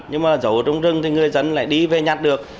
nhưng mà dẫu ở trong rừng thì người dân lại đi về nhặt được